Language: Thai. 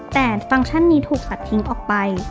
แต่ฟังก์ชันนี้ถูกตัดทิ้งออกไป